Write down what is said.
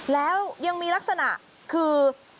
แล้วยังมีลักษณะคือ